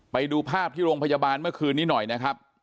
ไปดูภาพที่โรงพยาบาลเมื่อคืนนี้หน่อยนะครับ